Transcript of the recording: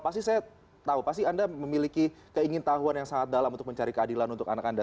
pasti saya tahu pasti anda memiliki keingin tahuan yang sangat dalam untuk mencari keadilan untuk anak anda